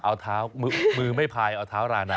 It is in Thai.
เอาเท้ามือไม่พายเอาเท้ารานา